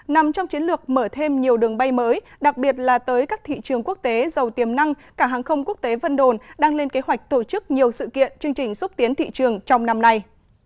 nằm trong chiến lược mở thêm nhiều đường bay mới đặc biệt là tới các thị trường quốc tế giàu tiềm năng cảng hàng không quốc tế vân đồn đang lên kế hoạch tổ chức nhiều sự kiện chương trình xúc tiến thị trường trong năm nay